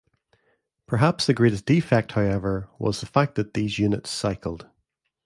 Perhaps the greatest defect, however, was the fact that these units "cycled".